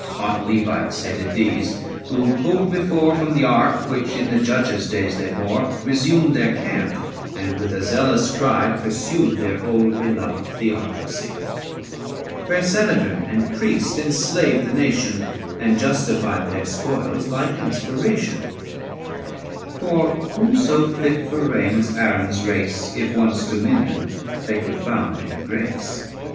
Hot Levites headed these; who pulled before From the ark, which in the Judges' days they bore, 520 Resumed their cant, and with a zealous cry Pursued their old beloved theocracy, Where Sanhedrin and priest enslaved the nation And justified their spoils by inspiration ; For who so fit for reign as Aaron's race, 525 If once dominion they could found in grace?